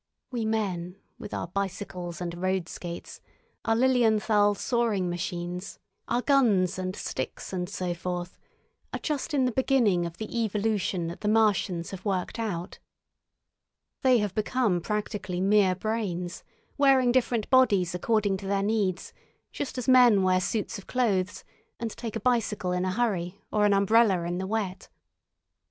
We men, with our bicycles and road skates, our Lilienthal soaring machines, our guns and sticks and so forth, are just in the beginning of the evolution that the Martians have worked out. They have become practically mere brains, wearing different bodies according to their needs just as men wear suits of clothes and take a bicycle in a hurry or an umbrella in the wet.